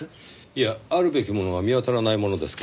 いやあるべきものが見当たらないものですからねぇ。